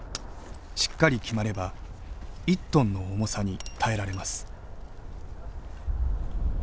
しっかり決まれば１ｔの重さに耐えられます。